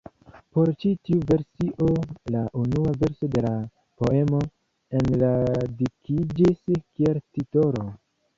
Por ĉi tiu versio la unua verso de la poemo enradikiĝis kiel titolo.